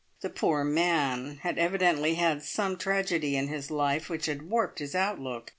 The poor man had evidently had some tragedy in his life which had warped his outlook.